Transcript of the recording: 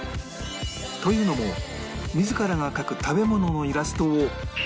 というのも自らが描く食べ物のイラストを飯画と名付け